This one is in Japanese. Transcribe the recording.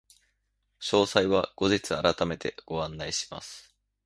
詳細は後日改めてご案内いたします。